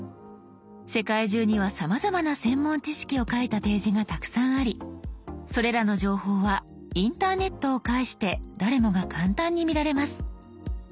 世界中にはさまざまな専門知識を書いたページがたくさんありそれらの情報はインターネットを介して誰もが簡単に見られます。